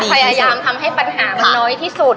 พยายามทำให้ปัญหามันน้อยที่สุด